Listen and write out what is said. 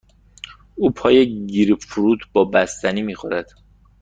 او پای گریپ فروت با بستنی می خورد.